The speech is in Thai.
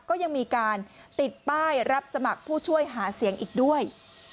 ก็ยังมีการติดป้ายรับสมัครผู้ช่วยหาเสียงอีกด้วย